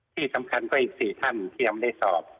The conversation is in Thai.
ที่สำคัญก็อีก๔ท่านที่ยังได้สอบ